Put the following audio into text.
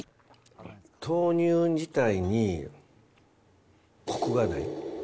豆乳自体に、こくがない。